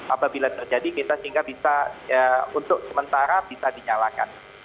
apabila terjadi kita sehingga bisa untuk sementara bisa dinyalakan